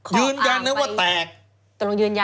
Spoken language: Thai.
ยืนยันนะว่าแตกขออ่างไปตรงยืนยัน